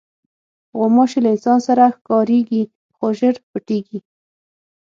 غوماشې له انسان سره ښکارېږي، خو ژر پټېږي.